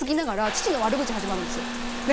父の悪口始まるんですよ。